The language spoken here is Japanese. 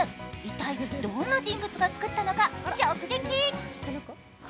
一体、どんな人物が作ったのか直撃。